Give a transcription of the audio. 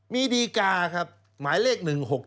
มีดีการ์ครับหมายเลข๑๖๗๐๒๕๕๒